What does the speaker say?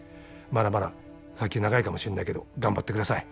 まだまだ先は長いかもしんないけど頑張ってください。